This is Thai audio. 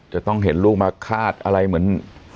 จะต้องเห็นลูกมาคาดอะไรเหมือน